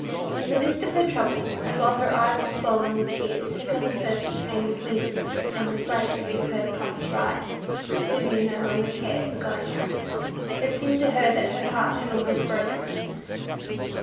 In the midst of her trouble, and while her eyes were swollen with tears, her cousin Percy came with Wings and the sleigh to give her the promised ride. Susy no longer cared for going out: it seemed to her that her heart was almost broken.